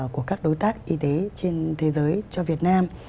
của các đối tác y tế trên thế giới cho việt nam